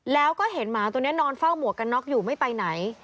แล้วก็เห็นหมาตัวนี้นอนเฝ้าหมวกกันน็อกอยู่ไม่ไปไหน